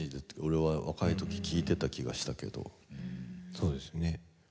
そうですね。